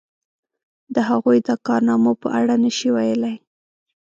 د هغوی د کارنامو په اړه نشي ویلای.